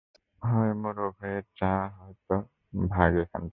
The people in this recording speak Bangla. হয় মোরগ হয়ে চা, নয়তো ভাগ এখান থেকে।